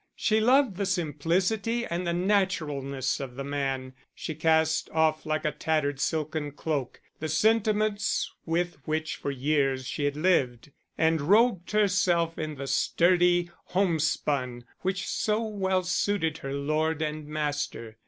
She loved the simplicity and the naturalness of the man; she cast off like a tattered silken cloak the sentiments with which for years she had lived, and robed herself in the sturdy homespun which so well suited her lord and master.